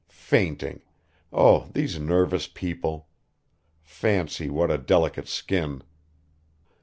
Fainting! Oh these nervous people! Fancy, what a delicate skin."